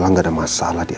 jengukin kami berdua